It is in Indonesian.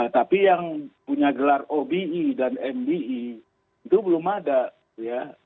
tapi yang punya gelar obe dan mbe itu belum ada ya